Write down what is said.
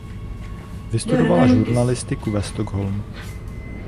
Vystudovala žurnalistiku ve Stockholmu.